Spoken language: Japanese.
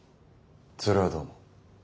それはどうも。